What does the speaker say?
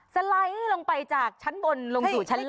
สไลด์ลงไปจากชั้นบนลงสู่ชั้นล่า